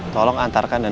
sekolah di rumah ya